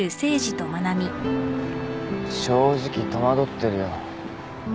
正直戸惑ってるよ。